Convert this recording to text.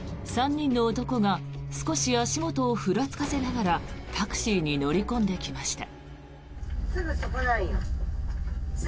３人の男が少し足元をふらつかせながらタクシーに乗り込んできました。